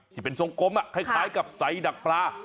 ที่เป็นทรงกลมคล้ายกับใส่ดักปลา